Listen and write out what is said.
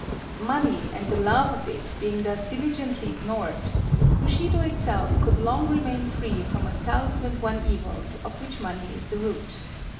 Money and the love of it being thus diligently ignored, Bushido itself could long remain free from a thousand and one evils of which money is the root.